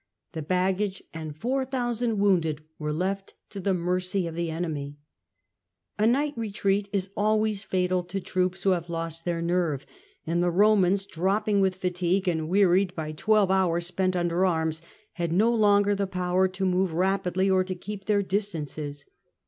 The baggage and 4000 wounded were left to the mercy of the enemy* A night retreat is always fatal to troops who have lost their nerve, and the Romans, dropping with fatigue and wearied by twelve hours spent under arms, had no longer the power to move rapidly or to keep their distances.